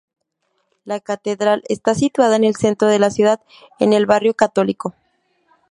La catedral está situada en el centro de la ciudad, en el barrio católico.